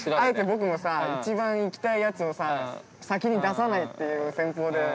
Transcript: ◆僕もさ、一番行きたいやつをさ先に出さないという戦法で。